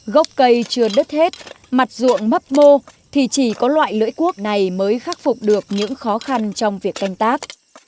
gốc cây chưa đứt hết mặt ruộng mấp mô thì chỉ có loại lưỡi cuốc này mới khắc phục được những khó khăn trong việc canh tác